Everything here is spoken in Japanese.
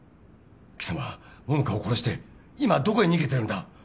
貴様桃花を殺して今どこへ逃げてるんだ？